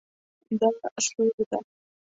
دا سور ده